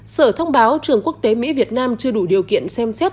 sở thông báo trường quốc tế mỹ việt nam chưa đủ điều kiện xem xét